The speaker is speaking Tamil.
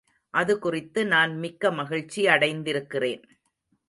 அது குறித்து நான் மிக்க மகிழ்ச்சி அடைந்திருக்கிறேன்.